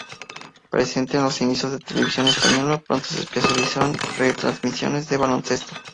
Presente en los inicios de Televisión española, pronto se especializó en retransmisiones de baloncesto.